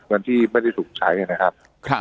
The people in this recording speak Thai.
เงินที่ไม่ได้ถูกใช้นะครับ